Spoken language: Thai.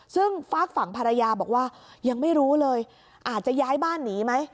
ซึ่งฝากฝั่งภรรยาบอกว่ายังไม่รู้เลยอาจจะย้ายบ้านหนีไหม